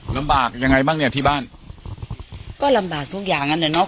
ลำบากยังไงบ้างเนี่ยที่บ้านก็ลำบากทุกอย่างนั่นแหละเนาะ